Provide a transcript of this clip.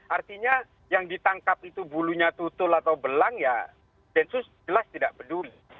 artinya yang ditangkap itu bulunya tutul atau belang ya densus jelas tidak peduli